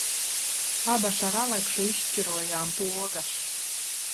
Abas ar Aleksu izšķirojām pogas.